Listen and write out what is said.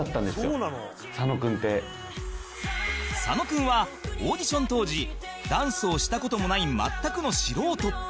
佐野君はオーディション当時ダンスをした事もない全くの素人